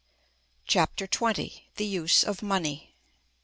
CHAPTER XX. THE USE OF MONEY.